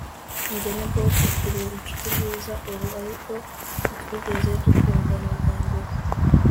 Jye na Bobo turi inshuti nziza ubu ariko ntitwigeze dukundana bwa mbere